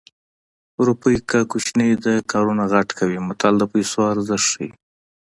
روپۍ که کوچنۍ ده کارونه غټ کوي متل د پیسو ارزښت ښيي